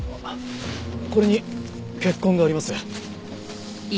これに血痕があります。